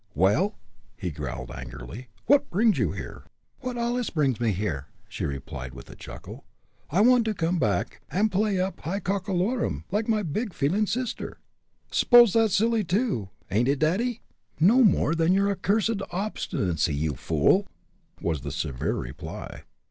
"Well!" he growled, angrily, "what brings you here?" "What allus brings me?" she replied, with a chuckle. "I want to come back and play up high cockolorum, like my big feelin' sister. S'pose that's silly, too, ain't it, daddy?" "No more so than your accursed obstinacy, you fool!" was the severe reply.